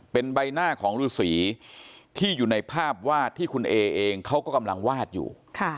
เป็นใบหน้าของฤษีที่อยู่ในภาพวาดที่คุณเอเองเขาก็กำลังวาดอยู่